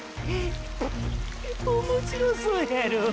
プク面白そうやろ？